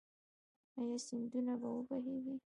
آیا سیندونه به و بهیږي؟